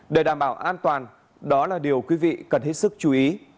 để đảm bảo an toàn đó là điều quý vị cần hết sức chú ý